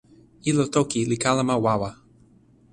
ilo toki li kalama wawa.